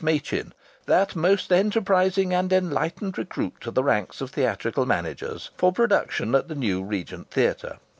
Machin ("that most enterprising and enlightened recruit to the ranks of theatrical managers") for production at the new Regent Theatre.